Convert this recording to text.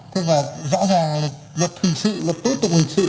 thế mà rõ ràng là luật hình sự luật tối tục hình sự